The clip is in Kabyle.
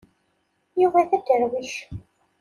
Yuba d adderwic.